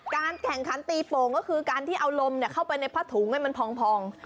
การแข่งขันตีโป่งก็คือการที่เอาลมเข้าไปในผ้าถุงให้มันพอง